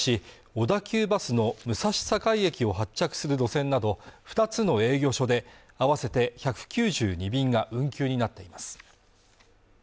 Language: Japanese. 小田急バスの武蔵境駅を発着する路線など２つの営業所で合わせて１９２便が運休になっています